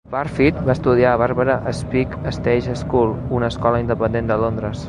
Parfitt va estudiar a la Barbara Speake Stage School, una escola independent de Londres.